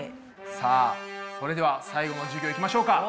さあそれでは最後の授業いきましょうか。